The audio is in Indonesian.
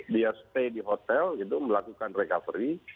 dia stay di hotel gitu melakukan recovery